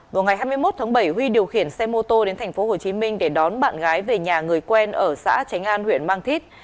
vào ngày hai mươi một tháng bảy huy điều khiển xe mô tô đến tp hcm để đón bạn gái về nhà người quen ở xã tránh an huyện mang thít